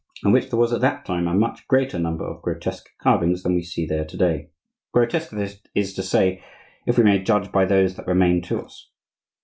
on which there was at that time a much greater number of grotesque carvings than we see there to day,—grotesque, that is to say, if we may judge by those that remain to us.